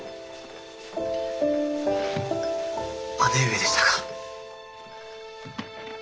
姉上でしたか。